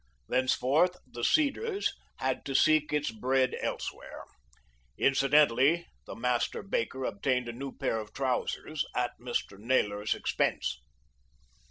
Thenceforth "The Cedars" had to seek its bread elsewhere. Incidentally the master baker obtained a new pair of trousers at Mr. Naylor's expense.